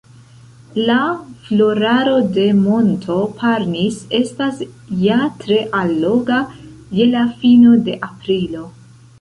La floraro de monto Parnis estas ja tre alloga, je la fino de aprilo.